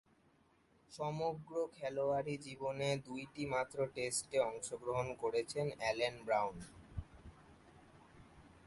সমগ্র খেলোয়াড়ী জীবনে দুইটিমাত্র টেস্টে অংশগ্রহণ করেছেন অ্যালেন ব্রাউন।